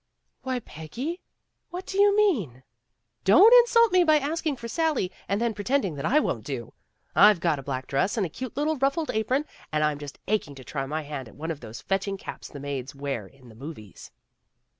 "Why, Peggy, what do you mean?" "Don't insult me by asking for Sally, and then pretending that I won't do. I've got a black dress and a cute little ruffled apron, and I'm just aching to try my hand at one of those fetching caps the maids wear in the movies."